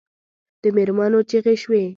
د مېرمنو چیغې شوې.